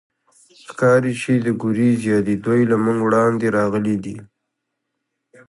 ښکاري، چې د ګوریزیا دي، دوی له موږ وړاندې راغلي دي.